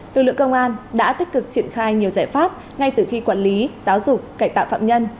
lực lượng công an đã tích cực triển khai nhiều giải pháp ngay từ khi quản lý giáo dục cải tạo phạm nhân